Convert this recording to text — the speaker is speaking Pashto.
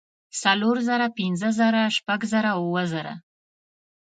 څلور زره پنځۀ زره شپږ زره اووه زره